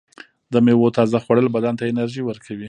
د میوو تازه خوړل بدن ته انرژي ورکوي.